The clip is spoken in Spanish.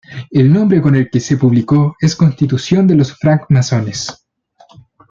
El nombre con el que se publicó es "Constitución de los Francmasones".